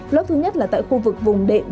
lớp thứ nhất là tại khu vực vùng đệm